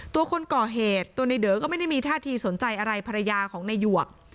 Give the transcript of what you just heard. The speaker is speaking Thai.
ตัวคนก่อเหตุตัวในเดอก็ไม่ได้มีท่าทีสนใจอะไรภรรยาของนายหยวก